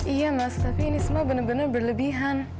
iya mas tapi ini semua bener bener berlebihan